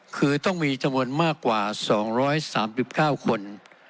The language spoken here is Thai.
คือต้องมีจำนวนมากกว่า๒๓๙คน